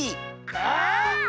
あっ！